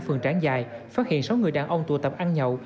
phường tráng giài phát hiện sáu người đàn ông tụ tập ăn nhậu